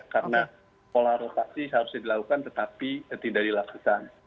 karena pola rotasi harus dilakukan tetapi tidak dilakukan